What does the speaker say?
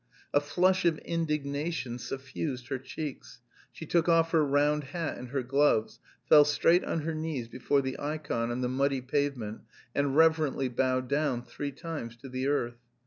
A flush of indignation suffused her cheeks; she took off her round hat and her gloves, fell straight on her knees before the ikon on the muddy pavement, and reverently bowed down three times to the earth.